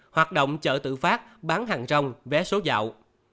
hoạt động chợ tự phát bán hàng rong vé số dạo